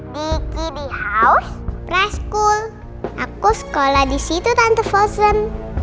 di kiddy house preschool aku sekolah di situ tante frozen